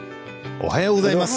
おはようございます。